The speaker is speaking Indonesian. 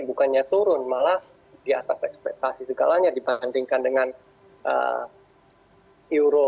bukannya turun malah di atas ekspektasi segalanya dibandingkan dengan euro